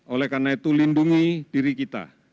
oleh karena itu lindungi diri kita